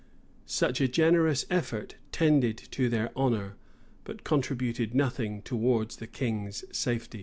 [] Such a generous effort tended to their honor, but contributed nothing towards the king's safety.